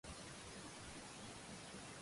你考咁低分，大学门钉都摸唔到